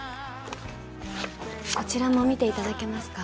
こちらも見て頂けますか？